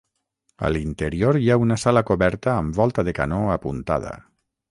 A l'interior hi ha una sala coberta amb volta de canó apuntada.